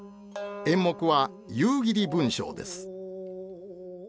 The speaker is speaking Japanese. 演目は「夕霧文章」です。